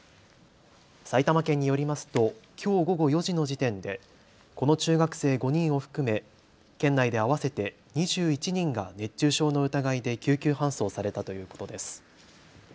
埼玉県によりますときょう午後４時の時点でこの中学生５人を含め県内で合わせて２１人が熱中症の疑いで救急搬送されたということです。